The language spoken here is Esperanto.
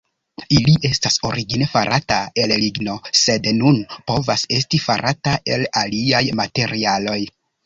Ili estas origine farata el ligno, sed nun povas esti farata el aliaj materialoj.